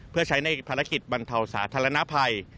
เพื่อใช้ในภารกิจบรรเทาสาธารณภัย